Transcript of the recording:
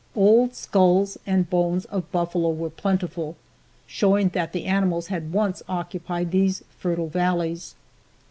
Old skulls and bones of buffalo were plentiful, showing that the animals had once occupied these fertile valleys.